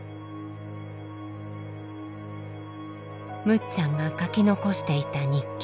むっちゃんが書き残していた日記。